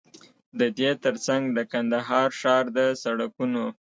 ددې تر څنګ د کندهار ښار د سړکونو